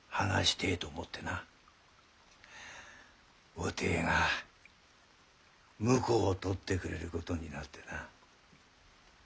おていが婿をとってくれることになってな。